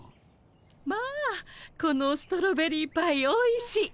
まあこのストロベリーパイおいしい。